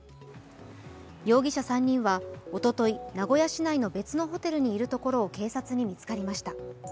容疑者３人はおととい、名古屋市内の別のホテルにいるところを警察に見つかりました。